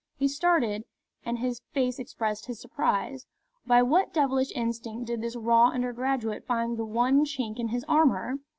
He started, and his face expressed his surprise. By what devilish instinct did this raw undergraduate find the one chink in his armour?